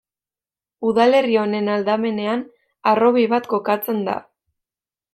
Udalerri honen aldamenean harrobi bat kokatzen da.